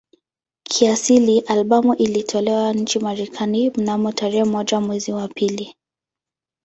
Kiasili albamu ilitolewa nchini Marekani mnamo tarehe moja mwezi wa pili